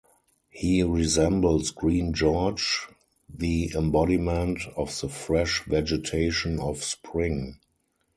He resembles Green George, the embodiment of the fresh vegetation of spring.